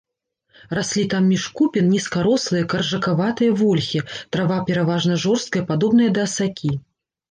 Раслі там між купін нізкарослыя, каржакаватыя вольхі, трава пераважна жорсткая, падобная да асакі.